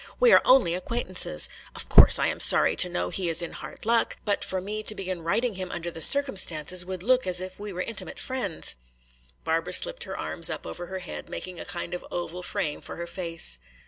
We are only acquaintances. Of course, I am sorry to know he is in hard luck. But for me to begin writing him under the circumstances would look as if we were intimate friends." Barbara slipped her arms up over her head, making a kind of oval frame for her face.